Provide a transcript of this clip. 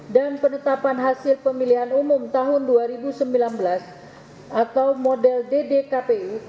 dan penetapan hasil pemilihan umum tahun dua ribu sembilan belas atau model ddkpu